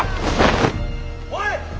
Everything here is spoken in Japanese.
おい！